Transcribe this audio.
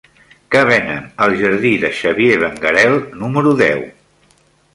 Què venen al jardí de Xavier Benguerel número deu?